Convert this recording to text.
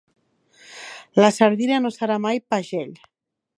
La sardina no serà mai pagell.